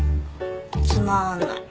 つまんない。